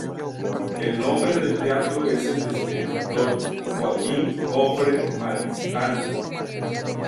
El nombre del teatro es el de su benefactor, Joaquín Jofre Maristany.